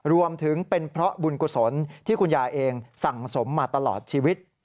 รวมถึงเป็นเพราะบุญกุศลที่คุณยายเองสั่งสมมาตลอดชีวิต